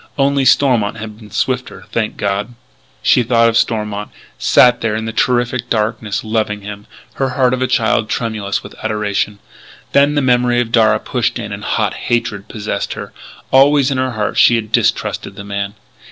Only Stormont had been swifter thank God! She thought of Stormont sat there in the terrific darkness loving him, her heart of a child tremulous with adoration. Then the memory of Darragh pushed in and hot hatred possessed her. Always, in her heart, she had distrusted the man.